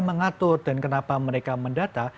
mengatur dan kenapa mereka mendata